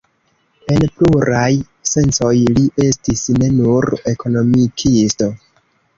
En pluraj sencoj li estis ne nur ekonomikisto.